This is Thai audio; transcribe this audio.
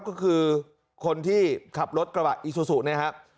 ก็คือคนที่ขับรถกระบะอีซูซูนะครับ